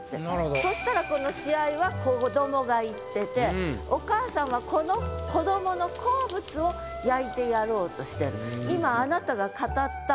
そしたらこの試合は子どもが行っててお母さんは子の子どもの好物を焼いてやろうとしてる。